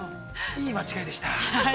いい間違いでした。